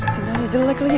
sinyalnya jelek lagi